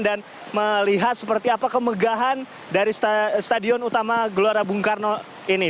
dan melihat seperti apa kemegahan dari stadion utama gelora bung karno ini